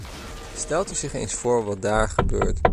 Stelt u zich eens voor wat daar gebeurt.